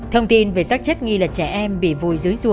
thông tin trên nhanh chóng lan ra khắp vùng khiến ai ai cũng ghép sợ